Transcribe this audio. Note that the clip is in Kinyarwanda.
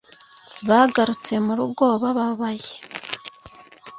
Bagarutse mu rugo bababaye